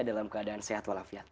dalam keadaan sehat walafiat